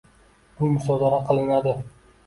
Bu musodara qilinadi.